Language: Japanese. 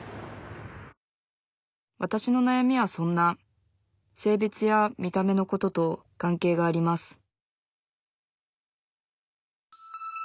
わたしのなやみはそんな性別や見た目のことと関係があります